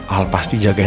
al pasti jaga dia